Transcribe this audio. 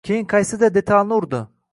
Keyin qaysidir detalni urdi.